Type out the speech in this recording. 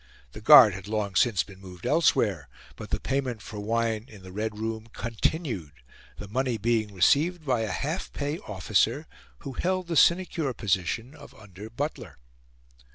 The guard had long since been moved elsewhere, but the payment for wine in the Red Room continued, the money being received by a half pay officer who held the sinecure position of under butler.